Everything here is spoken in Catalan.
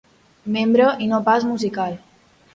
Membre, i no pas musical.